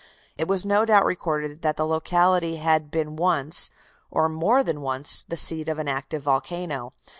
It was no doubt recorded that the locality had been once, or more than once, the seat of an active volcano.